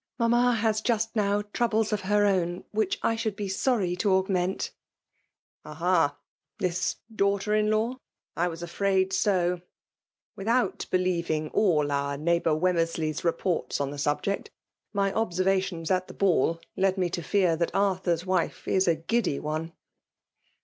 " Mamma has just now troables of her own which I should be sorry to augment!" " Aha !— This daughter in law? — I was afraid so ! Without believing aU our neigh k PnCAJLB DOVIICATIOR. 247 boar Wemmersley's reports on the subject^ sij obaenratkmiB at the ball lead me to teat ibat Arthur's wife is a giddy one.'